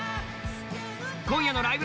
今夜の「ライブ！